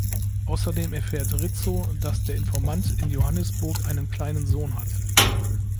Außerdem erfährt Rizzo, dass der Informant in Johannesburg einen kleinen Sohn hat.